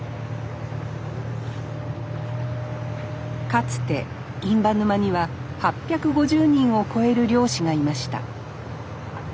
かつて印旛沼には８５０人を超える漁師がいました。